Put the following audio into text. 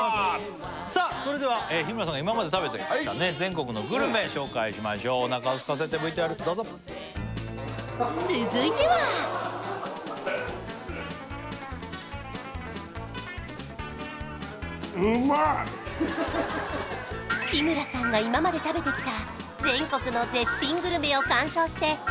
さあそれでは日村さんが今まで食べてきた紹介しましょうお腹をすかせてＶＴＲどうぞ続いては日村さんが今まで食べてきた